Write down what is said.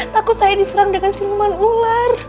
takut saya diserang dengan simuman ular